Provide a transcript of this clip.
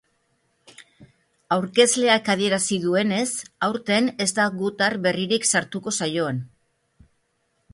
Aurkezleak adierazi duenez, aurten ez da gutar berririk sartuko saioan.